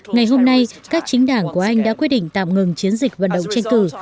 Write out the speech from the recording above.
ngày hôm nay các chính đảng của anh đã quyết định tạm ngừng chiến dịch vận động tranh cử